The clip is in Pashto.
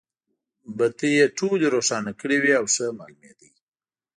بټۍ یې ټولې روښانه کړې وې او ښه مالومېدې.